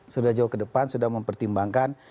sudah jauh ke depan sudah mempertimbangkan